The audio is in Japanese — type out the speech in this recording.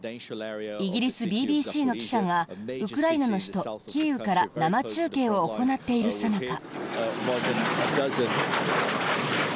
イギリスＢＢＣの記者がウクライナの首都キーウから生中継を行っているさなか。